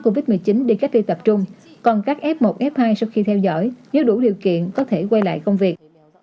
covid một mươi chín đi cách ly tập trung còn các f một f hai sau khi theo dõi nếu đủ điều kiện có thể quay lại công việc